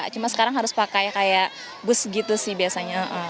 cuma sekarang harus pakai kayak bus gitu sih biasanya